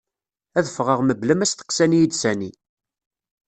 Ad fɣeɣ mebla ma steqsan-iyi-d sani.